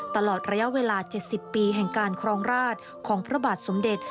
ตลอดระยะเวลา๗๐ปีแห่งการครองราชของพระบาทสมเด็จ